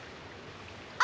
あ！